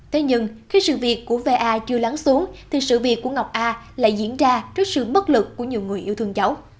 thế nhưng khi sự việc của va chưa lắng xuống thì sự việc của ngọc a lại diễn ra trước sự bất lực của nhiều người yêu thương cháu